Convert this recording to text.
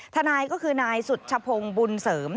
ทนายก็คือนายสุชพงศ์บุญเสริม